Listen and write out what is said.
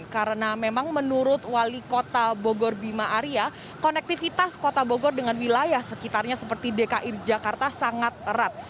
karena memang menurut wali kota bogor bima aria konektivitas kota bogor dengan wilayah sekitarnya seperti dki jakarta sangat erat